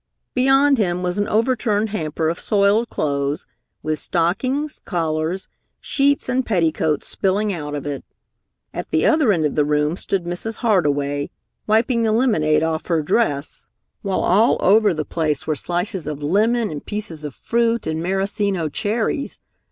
Beyond him was an overturned hamper of soiled clothes, with stockings, collars, sheets and petticoats spilling out of it. At the other end of the room stood Mrs. Hardway, wiping the lemonade off her dress, while all over the place were slices of lemon and pieces of fruit and Maraschino cherries.